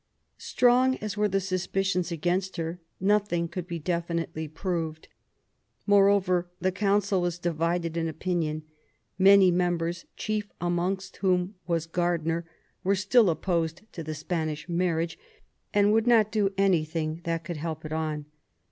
Strong as were the suspicions against her, nothing could be definitely proved. Moreover, the Council was divided in opinion. Many members, chief amongst whom was Gardiner, were still opposed to the Spanish marriage, and would not do anything that could help it on.